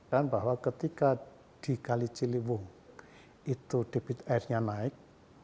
dan bahwa ketika di kali ciliwung itu debit airnya naik